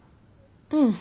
うん。